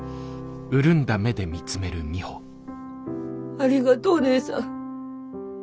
ありがとお姉さん。